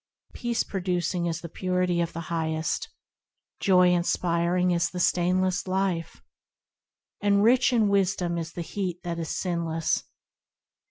Peace producing is the Purity of the Highest; Joy inspiring is the stainlest life, And rich in wisdom is the heat that is sinless.